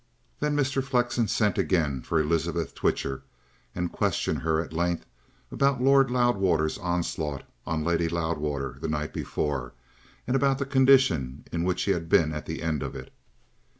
Then Mr. Flexen sent again for Elizabeth Twitcher and questioned her at length about Lord Loudwater's onslaught on Lady Loudwater the night before and about the condition in which he had been at the end of it.